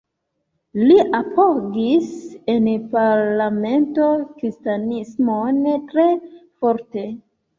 Li apogis en parlamento kristanismon tre forte.